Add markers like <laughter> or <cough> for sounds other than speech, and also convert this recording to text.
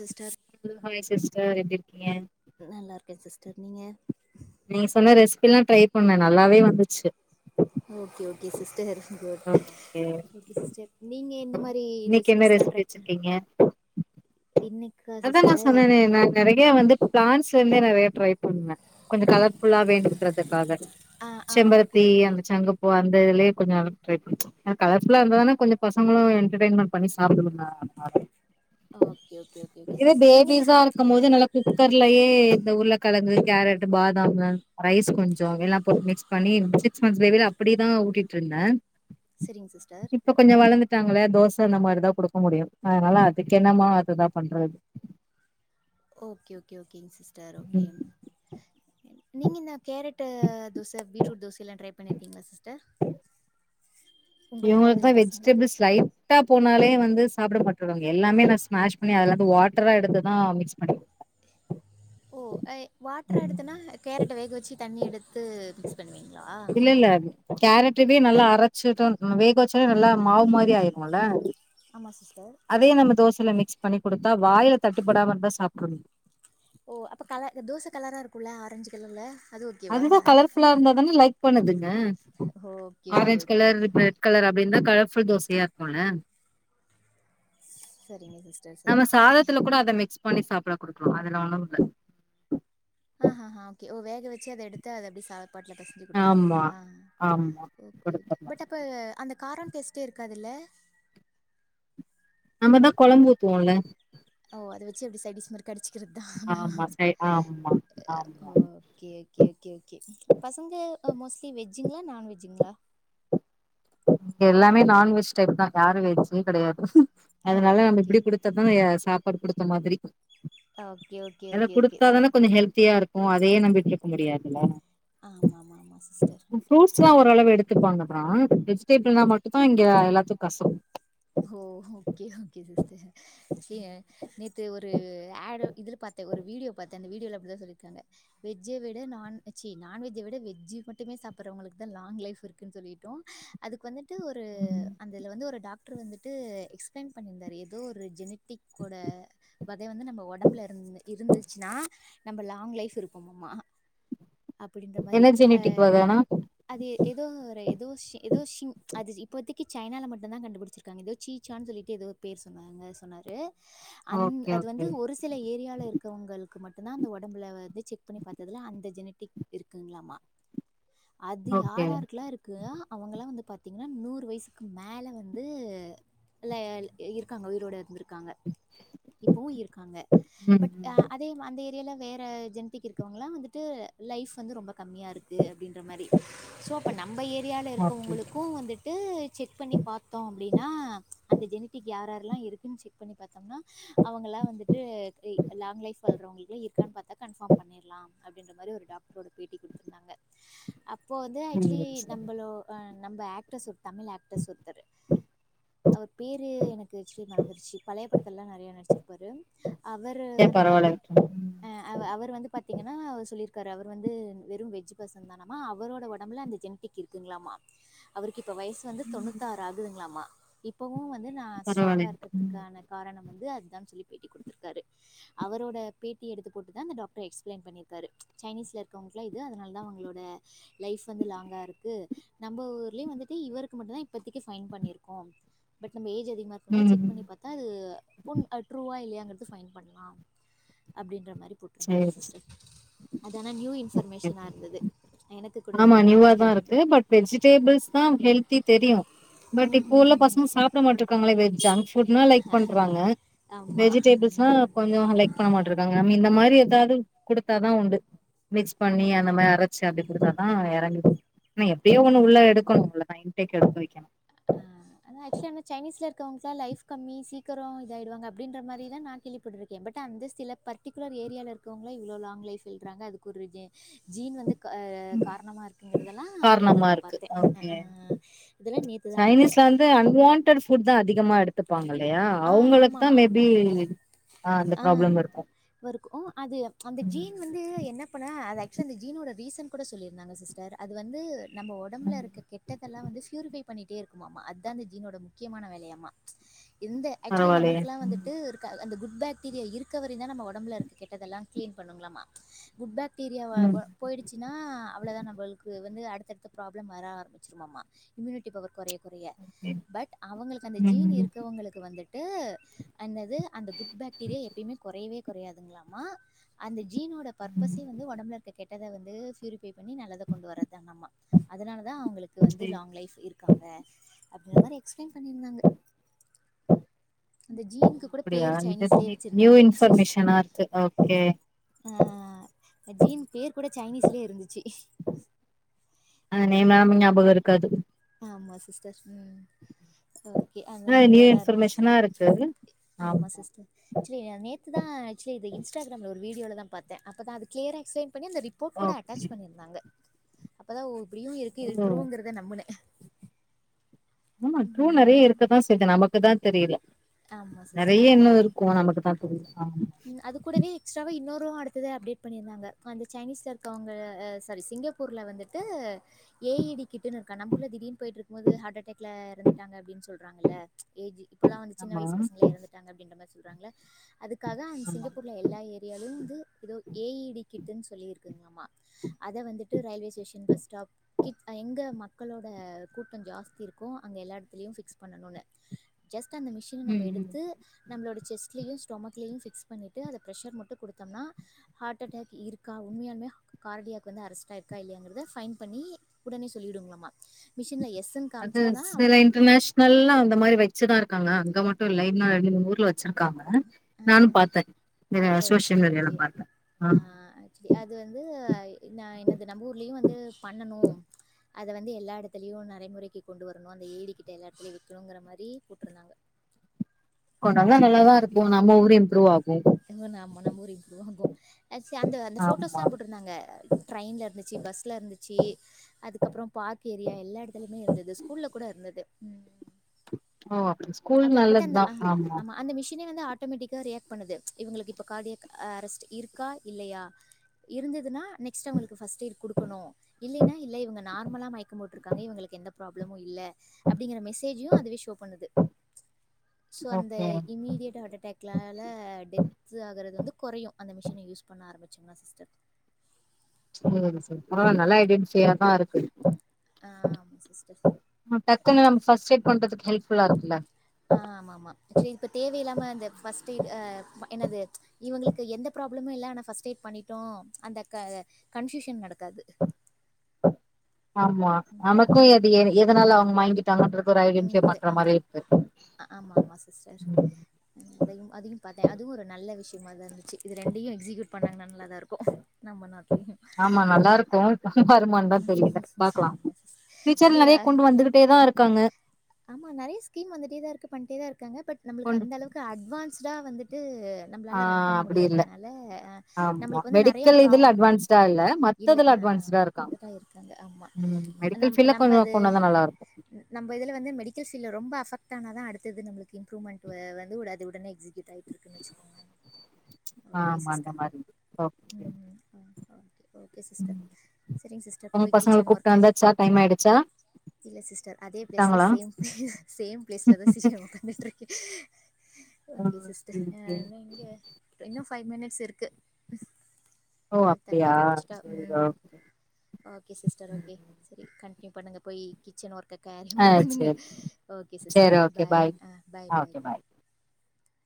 Sister sister எப் <unintelligible> ஏன் நல்லா இருக்கேன் சிஸ்டர் நீங்க நீங்க சொன்ன ரெசிபில்லாம் ட்ரை பண்ணன் நல்லாவே வந்துச்சு okay okay sister okay sister நீங்க இந்த மாரி இன்னைக்கு என்ன ரெசிபிஸ்லாம் ட்ரை இன்னைக்கா அதான் நான் சிஸ்டர் சொன்னேனே நான் நிறைய வந்து பிளான்ஸ்லந்தே நிறைய ட்ரை பண்ணுவன் கொஞ்சம் கலர்ஃபுல்லா வேண்டிக்கதுக்காக ஆ ஆ ஓகே செம்பருத்தி ஓகே அந்த சங்கப்பூ அந்த லயே கொஞ்ச்ரை பண்ண கலர்பியுள்ள இருந்தானா கொஞ்சம் பசங்களும் என்டர்டயன்மெட் பண்ணி சாப்பிடுதுங்க ஓகே ஓகே ஓகே ஓகே இது சிஸ் நீங்கள் என்ன பேபிஸா இருக்கும் போது நல்லா குக்கர்லயே இந்த உருளைக்கழங்கு கேரட் பாதாம் ரைஸ் கொஞ்சம் எல்லாம் போட்டு மிக்ஸ் பண்ணி சிக்ஸ் மந்த்ஸ் பேபியில அப்படியேதான் ஊட்டிட்டு இருந்தேன் சேரிங்க சிஸ்டர் விட்டாங்களே தோசை இந்த மாரிதான் கொடுக்க முடியும் அதனால அதுக்க என்னமோ அதுதான் பண்றது ஓகே ஓகே ஓ ஓகேங்க சிஸ்டர் ம் ஒகேங்க நீங்கனா கேரட் அ தோசை பீட்ரூட் தோசை ல்லாம் டரை பண்ணிருக்கீங்களா சிஸ்டர் இவங்களுக்கு உங்களுக்காவது இல்லை தான் பசங்களுக்கு வெஜிடபிள்ஸ் லைட்டா போனாலே வந்து சாப்பிட மாட்டுவங்க எல்லாமே நான் ஸ்மாஷ் பண்ணி அதெல்லாம் வாட்டரா எடுத்துதான் மிக்ஸ் பண்ணி ஓ வாட்டரா எடுத்துன்னா கேரட் வேக வச்சு தண்ணி எடுத்து ப மிக்ஸ் பண்ணுவீங்களா ட்டுப்பயே நல்லா அரைச்சட்டும் வேக வச்சாலே நல்லா மாவு மாதிரி ஆயிருகம்ல ஆமாம் சிஸ்டர் அதே நம்ம தோசைில மிக்ஸ பண்ணி கொடுத்தா வாயில தட்டுப்படாம இருந்தா சாப்பிடணும ஓ அப்ப கல தோசை கலரா இருக்கும்ல ஆரஞ்சு கலர்ல அது ஓகேவா அதுதான் கலர்புல்லா இருந்தா தானே லைக் பண்ணுதுங்க okay okay orange okay colour okay red colour அப்படன்தா க ஃ தோசையா இருக்குல சரிங்க சிஸ்டர் சரி நம்ம சரி சாதத்துல கூட அத மிக்ஸ் பண்ணி சாப்பிட கொடுக்கலாம் அதெல்லாம் ஒன்னும்ல ஆஹ்ஹஹ ஓகேஓ வேக வச்சு அதை எடுத்து அது அப்படி சா பால பசஞ்சு ஆமா கொடுத்துங்களா ஆமா ஓகேஓக குடுத்துர்லா பட் அ அந்த காரம் டெஸ்ட்டே இருக்காதுல்ல நம்மதான் குழம்புத்துவோம்ல அதை வச்ச எப்படி சடிஸ் மருக்கு கடைச்சிக்கிறது ஆமா தான் சை ஆமா ஆமா கேகேகே பசங்க மோஸ்ட்லி வெஜ்ஜுங்களா நான்வெஜ்ஜுங்களா எல்லாமே நான்வெஜ் டைப் தா யாருும் வெஜ்ஜு கிடையாது ஹ ஹும் அதனால நம்ம ஓகே இப்படி கொடுத்த தாயா சா பட்படுத்த மாதிரி ஓகே ஓகே அதல்ல ஓகே ஓகே கொடுத்தாாதானே சரி கொஞ்சொ ஹெல்த்தியா இருக்கு அதையே நம்பிட்டருக்க முடியாது லொ ஆமா ஆமா ஆமா சிஸ்டர் ஓகெஓகெ ஆ எ <inaudible> ப்பளெ பன்னா மட்டு தா இங்க எல்லாத்துக்கு கசோ ஓ ஓகே ஓகே சிர் ச நேற்று ஒருட இதுல பாார்த்தேன் இந்த ஒரு வீடியோ பாாரத்தேன் அந்த வீடியோல அப்படிதான் சொல்லிருக்காங்க வெஜ்ஜை விட ந சரி நான்வெஜை விட வெஜ்ஜு மட்டுமே சாப்பிடுறவங்களுக்குதான் லாங் லைஃப் இருக்குன்னு சொல்லட்டோ அதுக்கு வந்து ஒரு அதுல வந்து ஒரு டாக் வந்துட்டு எக்ஸ்பிளைன் பண்ணியிருந்தாரு ஏதோ ஒரு ஜெனட்டிகோட வதை வந்து நம்ம உடம்புல இருந்து இருந்துச்சுன்னா நம்ம லாங் லைஃப் இருப்போம்மா அப்படின்ற மாதிரி எனர்ஜெனிட்டிக் அஹ் வகனா அது ஏதோ ஒரு ஏதோ ஏதோ அது இப்பதைக்கு சைனால மட்டும்தான் கண்டுபிடிச்சிருக்காங்க ஏதோ சீசான்னு சொல்லிட்டு ஏதோ பேர் சொன்னாங்க சொன்னாரு அந்த ஓகே அது ஓகே வந்து ஒரு சில ஏரியால இருக்கிறவங்களுக்கு மட்டும் தான் அந்த உடம்புல வந்து செக் பண்ணி பார்த்ததுல அந்த ஜெனட் இருக்குங்களாமா அது ஓகே யாராருக்கெல்லாம் இருக்கு அவங்கல்லாம் வந்து பாத்த பார்த்தீங்கன்னா நூறு வயசுக்கு மேல வந்து இருக்காங்க உயிரோட இருந்து இருக்காங்க இப்பவும் இருக்காங்க ம் பட் ம் அதே அந்த இந்தல்ல வேற ஜனிடிக்கு இருக்கவங்களாம் வந்துட்டு லைஃப் வந்து ரொம்ப கம்மியாக இருக்குது அப்படின்ற மாதிரி சோ அப்போ நம்ம ஏரியாவில் ஓகே ஓகே இருக்கிறவங்களுக்கும் வந்துட்டு செக் பண்ணி பார்த்தோம் அப்படின்னா அந்த ஜெனத்திக் யார் யார் இருக்கு செக் பண்ணி பாத்தோம்னா அவங்களா வந்துட்டு லாங் லைப்வ வாழ்றவங்ளா இருக்காங்ளா பாத்தா கன்பார்ம் பண்ணிடலாம் அப்படின்ற மாதிரி ஒரு டாக்ட்ரோட பேட்டி கொடுத்திருந்தாங்க அப்போ வந்து ஆக்சுவலி ம் சரி நம்மளோ நம்ம ஆக்டர் சொ தமிழ் ஆக்டர்ஸ் ஒருத்தர் அவர் பேரு எனக்கு ஆக்சுவலி மறந்துருச்சு பழைய படத்தல்லாம் நிறைய நச்சிருப்பாரு சரி பரவால்ல விட்ருங்க அவர் வந்து பாத்தீங்கன்னா சொல்லி இரு அவர் வந்து வெறும் வெஜ் பசத அவரோட உடம்புல அந்த ஜெனிக் இருக்குங்களாமா அவருக்கு இப்ப வயசு வந்து தொண்ணூத்தி ஆறு ஆகுதுங்களாமா இப்பவும் வந்து நான் பரவால்ல ஸ்ட்ராங்கா இருக்கிறதுக்கான காரணம் வந்து அதுதான் சொல்லி பேட்டி கொடுத்திருக்காரு அவரோட பேட்டி எடுத்து போட்டு தான் அந்த டாக்டர் எக்ஸ்பிளைன் பண்ணிருக்காரு சைனீஸ்ல இருக்கவங்கல்லாம் இது அதனால தான் அவங்களோட லைப் வந்து லாங்கா இருக்கு நம்ம ஊர்லயும் வந்துட்டு இவருக்கு மட்டும் தான் இப்பத பைன் பண்ணிருக்கோம் பட் நம்ம ஏஞ் அதிகமா ம் இருக்கரதுனால செக் ம் பண்ணி பார்த்தா அதுட்ரூவா இல்லையா எடுத்து பைன் பண்ணலாம் அப்படின்ற மாதிரி போட்டிருந்தாங்க சேரி சிஸ்டர் அதனா நியூ ஓகே இன்ஃபர்மேஷனா ஓகே இருந்தது எனக்கு கூட ஆமா தெரில நியூவா ஆக்சுவலி தான் இருக்கு பட் வெஜிடேபிள்ஸ் தான் ஹெல்தி தெரியும் பட் இப்போ உள்ள பசங்க சாப்பிட மாட்ட இருக்காங்களே வெஜ் ஃபுட் லைக் பண்றாங்க ஆமாம் வெஜிடேபிள்ஸ்னா கொஞ்சம் லைக் பண்ண மாட்டே இருக்காங்க இந்த மாதிரி டாடி கொடுத்தாதான் உண்டு மிக்ஸ் பண்ணி அந்த மாதிரி அரைச்சு அப்படி இப்படித்தான் ஆஹ் இறங்கி நான் எப்படியோ ஒண்ணு உள்ள எடுக்கணும் நான் இன்டேக் எடுக் கனும் ஆஹ் ஆக்சுவல சைனீஸ்ல இருக்கவங்களாம் லைப் கம்மி சீக்கிரம் இத ஆய்டுவாங்க அப்படின்ற மாதிரிதான் நான் கேள்விப்பட்டுருக்கேன் பட் அந்த சில பர்டிகுலர் ஏரியில இருக்கவங்கள இவ்வளோ லாங் லைப்ல இருக்காங்க அது ஒரு ஜீன் வந்து காரணமா இருக்குங்கிறதெல்லாம் நேத்து காரணமா தான் இருக்கு பார்த்தேன் ஓகே இத நேத்து சைனீஸ்ல வந்து அன்வான்டட் புத்தா அதிகமா எடுத்துப்பாங்க இல்லையா ஆஹ் அவுங்களுக்கு ஆமா தா மேபி ஆ அந்த ஆஹ் ப்ராப்ளம் இருக்கு வருக்கும் அது அந்த ஜீன் பரவால்லயே வந்து என்ன பண்ண ஜீனோட ரீசன் கூட சொல்லியிருந்தாங்க சிஸ்டர் அது வந்து நம்ம உடம்புல ம் இருக்க கெட்டதெல்லாம் வந்து பிஃயூரிப பண்ணிட்டே இருக்குமாமா அதுதான் இந்த ஜீனோட முக்கியமான வேலையாம இந்த ஆக்சுவலி நம்மளுக்குல்லாம் பரவாயில்லையே. வந்துட்டு இருக்க அந்த குட் புட் பாக்டீரியா இருக்க வரதான் நம் உம்பல இருக்க கெட்டதல்லாம் கிளீன் பண்ணூகலாமா குட்பேக் பாக்டிரியா ம் போயிடுச்சுன்னா அவ்வளோதான் நம்மளுக்கு வந்து நட் தடுத்து ப்ராப்ளம் வர ஆரம்பிச்சிருதாமா இம்யூனிட்டி பவர் குறைய குறைய பட் அவங்களுக்கு அந்த ஜீன் ம் இருக்கு வந்துட்டு அந்தது அந்த குட் பாக்டீரியா எப்பயுமே குறையவே குறையாதுங்களாமா அந்த ஜீனோட பர்பஸே வந்து உடம்பு இருக்க கெட்ட எதாவது சிரிப் பே பண்ணி நல்லத கொண்டு வர்றதுதான நம்மா அதனால தான் அவங்களுக்கு வந்து சேரி லாங் லைஃப் இருக்காங்க அப்படி மாதிரி எக்ஸ்பிளைன் பண்ணியிருந்தாங்க ஹ் ஜீனுக்கு கூட அப்டியா பேர் இது சைனீஸ்லயே நி- நியூ வச்சிருந்தாங்க இன்ஃபர்மேஷனா இருக்கு ஓகே ஆஹ் ஜீன் பேர் கூட சைனீஸ்லயே இருந்துச்சு அஹ் நேம் எல்லா ஞாபகம் இருக்காது ஆமா சிஸ்டர் ம் ஓக்கே அ ஆ நியூவா நியூ தான் இருந்துச்சு இன்ஃபர்மேஷனா இருக்கு ஆமா சிஸ்டர் ஆக்சுவலி நேத்துதான் ஆக்சுவலி அந்த இன்ஸ்டாகிராம்ல வீடியோலாதா பாத்தேன் அப்பதா கிளீரன்சே பண்ணி அந்த ரிப்போர்ட் கூட அட்டாச் ஓகே பண்ணிருந்தாங்க அப்பதான் நீயூருக்கே இது ஓ ட்ருங்கரத நம்புனே ஆமா ட்ரூ நெறைய இருக்கதா செய்து நமக்கு தா தெரியல ஆமா சிஸ்டர் நெறய இன்னு ஆமாங்க இருக்கும் ஆனா நமக்கு தா தெரியில ஆமா அது கூடவே எக்ஸ்டவா இன்னொரு அடுத்தது அப்டேட் பண்ணியிருந்தாங்க அந்த சைனீஸ் இருக்காங்ல செரி சிங்கப்பூர்ல வந்துட்டு ஏ ஐ டி கிட்டுன்னு இருக்கா நம்ம்பூர்ல திடீர்னு போயிட்டு இருக்கு போது ஹாட்டடாக்ல இறந்துட்டாங்க அப்டினு சொ சொல்றாங்கல ஏஜ் இப்பல்லாம் வந்து சின்ன ஆமா வயசு பசங்கள இறந்துட்டாங்க அப்படின்ற மாரி சொல்றாங்கள அதுக் அதா அந்த ஆமா சிங்கப்பூர்ல எல்லா ஏரியாலும் வந்து எதோ ஏ இ டி கிட்னு சொல்லி இருக்குங்கா ஆம அத வந்துட்டு ரயில்வே ஸ்சேஷன் பஸ் ஸ்டாப் கீக் எங்க மக்களோட கூட்ட ஜாஸ்தி இருக்கோ அங்க எல்லா இடத்துலயு ஃபிக்ஸ் பண்ணணு ஜஸ்ட் அந்த மிஷின நம்ம ம் ம் எடுத்து நம்மளோட செஸ்ட்லயு ஸ்டொமக் எல்ன் சிக்ஸ் பன்னிட்டுஅத ப்ரசர் மட்டு கொடுதோம்னா ஹாட் அட்டாக் இருக்கா உண்மயான்மே கார்டியாகு வந்து அரஸ்டாயிருக இல்லயங்ரது ஃபைண்ட் பன்னி உடனே சொல்லிடுங்லமா மிஷின்ல எஸ் அது சில இன்டர்நேஷனல்ல அந்த மாரி வச்சுதா இருக் இருக்காங்க அங்க மட்டும் இல்ல இன்னு ரென்டு ஊர் ஆஹ் சோசியல் ஓக்கே மீடியால ஓக்கே பாத்தே ஆ ஆஹ் ஆக்சுவலி அது வந்து என்ன என்னது நம்ப ஊர்லயும் வந்து பண்ணணு அத வந்து எல்லா இடத்துலயும் நரைமுறைக்கு கொண்டு வரணும் அந்த ஏடிக்கிட்ட எல்லா இடத்துலயூ விற்றுங்ரமாரி போட்ருந்தாங்க கொன்டாத நல்லாதா இருக்கு நம்மவூரு இம்ப்ரூவ் ஆகு இன்மோ நாம நம் <unintelligible> அந்த அந்த ஆமா ஃபோட்டோஸ்லாம் போட்ருந்தாங்க ட்ரெயின்ல இருந்துச்சி பஸ்ல இருந்துச்சி அதுக்கப்புற பார்க் ஏரியா எல்லா இடத்துலயுமே இருந்தது ஸ்கூல கூட இருந்தது உம் ஓ அப்படி ஸ்கூல் அப பட் அந்த நல்லதுதா ஆ ஆமா அந்த மிஷினே வந்த ஆட் ஆட்டோமெட்டிகா ரியாக்ட் பண்ணுது இவங்களுக்கு இப்போ கார்டிய அரஸ்ட் இருக்கா இல்லயா இருந்ததுனா நெக்ஸ்ட் அவங்களுக்கு ஃபஸ்டேடு குடுக்கணு இல்லைனா இல்ல இவங்க நார்மலா மயக்க போட்டருக்காங்க இவங்களுக்கு எந்த ப்ராப்ளமும் இல்ல அப்படிங்கற மெசேஜு அதுவே ஷோ பண்ணுது சோ அந்த ஓகே இமீடியட் ஹார்ட் அட்டாக்லால டெத் ஆகறது வந்து குறையு அந்த மிஷின யூஸ் பண்ண ஆரமிச்ங்லா சிஸ்டர் சொல்லுங்க மிஸ் அப்பற நல்லா ஐடென்டிஃயா தா இருக்கு ஆ ஆமா சிஸ்டர். டக்குனு ஃபஸ்டேட் பண்றதுக் ஹெல்ப் புல்லா இருக் ஆஹ் ஆமா ஆமா சே இப்ப தேவையில்லாம இந்த் ஃபஸ்டேடு ஆஹ் வ என்னது இவங்களுக்கு எந்த பிராப் ளவுமே இல்ல ஆனா ஃபஸ்டேட் பண்ணிடோ அந்த க கன்சுசன் நடக் தது ஆமா நமக்கு அது எதனால அவங் மயகிட் அ ஆஹ் ஆமா ஆமா சிஸ்டர் ம் அதையும் அதையும் பாத்தே அதுவு ஒரு நல்ல விஷய மாதான் இது ரெண்டயு எக்ஸிகியூட் பண்ணாங்கனா நல்லாதா இருக்கு நம்ப நாட்லயு ஆமா நல்லா இருக்கு வருமான்தா தெரியல பாக்கலா ஃபியூச்சர்ல ஆக்சுவலி நெறைய கொண்டு வந்துகிட்டேதா இருக்காங்க ஆமா நெறய ஸ்கீம் வந்துட்டே தா இருக்கு பண்ட்டே தா இருக்காங்க பட் நம்ளுக்கு கொண்டு அந்த அளவுக்கு அட்வான் ஸ்டா வந்துட்டு ஆ நம்மளால ரன் பண்ண அப்டி இல்ல முடியாதனால அ ஆமா நம்மளுக்கு வந்து நெறைய மெடிக்கல் இதுல ப்ராப்ளம் அட்வான்ஸ்டா இல்ல இல்ல மத்ததுல அ அட்வான்ஸ்டா இருக்கா இதா இருக்காங்க. ஆமா உம் மெடிக்கல்ஃபீல்ல கொஞ்ச கொண்டந்தா நல்லாருக்கு ம்பதுல வந்து மெடிக்கல் ஃபீல்ல ரொம்ப அஃபக்ட்டானா தா அடுத்தது நம்ளுக் கு இம்ப்ரூமெண்ட் வந்து உடா து உடனே எக்ஸி கிட்டாய்ட்ருக்குனு வச்சுக்கோங்க ஓகே ஆமா அந்த சிஸ்டர் மாரி ஓகே உம் ஓகே சிஸ்டர் சரிங் சிஸ்டர் உங்க போய் பசங்கள கிச்சன் கூப்ட்டு ஒர்க்க வந்தாச்சா டைம் ஆயிடுச்சா இல்ல சிஸ்டர் தே ப்ளேஸ்ல ட்டாங்களா சேம் சேம் ப்ளேஸ்ல தா <unintelligible> ஒக்காந்துட்ருக்க <unintelligible> ஓகே சிஸ்டர் ஆ ந இங்க <unintelligible> ஃபை மினிட்ஸ் இருக்கு ஓ டல் தாட்டி அப்படியா முடிச்சுட்டா சரி ஓ உம் ஓகே சிஸ்டர் ஓகே செரி கன் கெ‌ பண்ணுங்க போய் கிச்சன் ஒர்க்க காரி ஆ ஒர் பண்ணுங்க சரி ஓகே சரி சிஸ்டர் ஓகே பாய் அ பாய் ஆ பாய் ஓகே பாய்